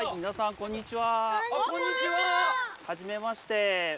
こんにちは！